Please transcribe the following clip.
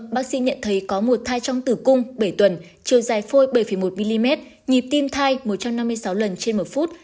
bác sĩ nhận thấy có một thai trong tử cung bảy tuần chiều dài phôi bảy một mm nhịp tim thai một trăm năm mươi sáu lần trên một phút